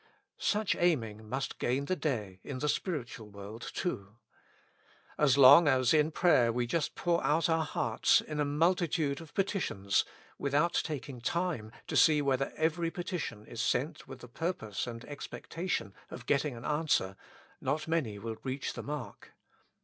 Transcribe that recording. Such aiming must gain the daym the spirit ual world too. As long as in prayer we just pour out our hearts in a multitude of petitions, without taking time to see whether every petition is sent with the purpose and expecj i of getting an answer, not many will reach the mark.